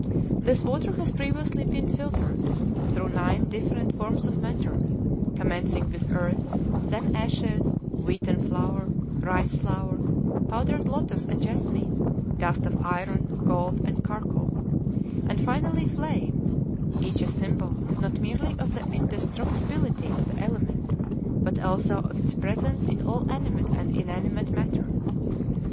This water has previously been filtered through nine different forms of matter, commencing with earth, then ashes, wheaten flour, rice flour, powdered lotos and jessamine, dust of iron, gold, and charcoal, and finally flame; each a symbol, not merely of the indestructibility of the element, but also of its presence in all animate or inanimate matter.